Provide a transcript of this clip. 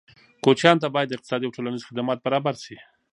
کوچیانو ته باید اقتصادي او ټولنیز خدمات برابر شي.